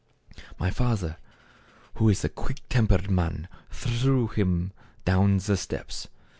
My father who is a quick tempered man, threw him down the steps.